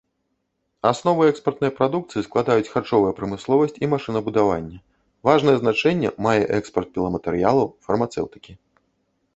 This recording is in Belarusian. Аснову экспартнай прадукцыі складаюць харчовая прамысловасць і машынабудаванне, важнае значэнне мае экспарт піламатэрыялаў, фармацэўтыкі.